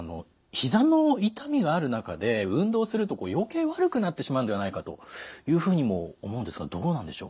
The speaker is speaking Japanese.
ひざの痛みがある中で運動すると余計悪くなってしまうんではないかというふうにも思うんですがどうなんでしょう？